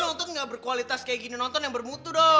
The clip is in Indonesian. nonton gak berkualitas kayak gini nonton yang bermutu dong